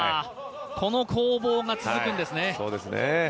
この攻防が続くんですね。